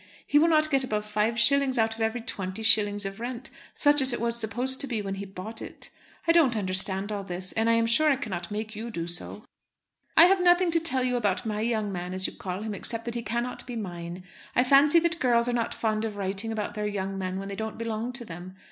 He will not get above five shillings out of every twenty shillings of rent, such as it was supposed to be when he bought it. I don't understand all this, and I am sure I cannot make you do so. I have nothing to tell about my young man, as you call him, except that he cannot be mine. I fancy that girls are not fond of writing about their young men when they don't belong to them.